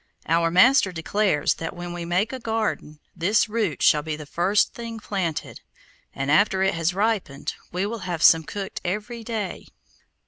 Our master declares that when we make a garden, this root shall be the first thing planted, and after it has ripened, we will have some cooked every day.